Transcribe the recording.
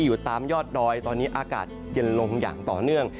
อยู่ตามยอดดอยตอนนี้อากาศเย็นลงอย่างต่อเนื่อง